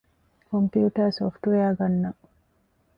ކޮމްޕިއުޓަރ ސޮފްޓްވެއަރ ގަންނަން